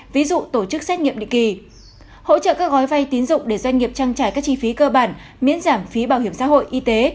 ví dụ tổ chức xét nghiệm định kỳ hỗ trợ các gói vay tín dụng để doanh nghiệp trang trải các chi phí cơ bản miễn giảm phí bảo hiểm xã hội y tế